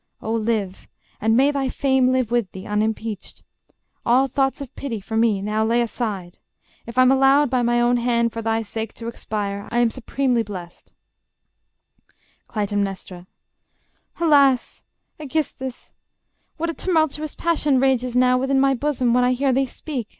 Oh, live; and may thy fame Live with thee, unimpeached! All thoughts of pity For me now lay aside; if I'm allowed By my own hand, for thy sake, to expire, I am supremely blest. Cly. Alas!... Aegisthus... What a tumultuous passion rages now Within my bosom, when I hear thee speak!...